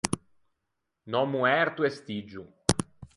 Un òmmo erto e stiggio.